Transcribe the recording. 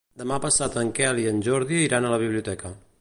Demà passat en Quel i en Jordi iran a la biblioteca.